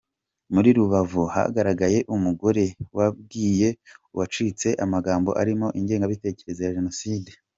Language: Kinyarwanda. Muri Rubavu hagaragaye umugore wabwiye uwacitse amagambo arimo ingengabitekerezo ya Jenoside.